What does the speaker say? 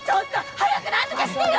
早く何とかしてよ！